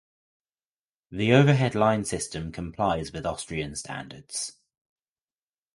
The overhead line system complies with Austrian standards.